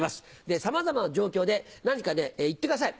さまざまな状況で、何か言ってください。